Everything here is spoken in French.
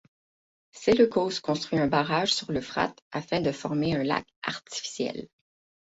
Séleucos construit un barrage sur l'Euphrate afin de former un lac artificiel.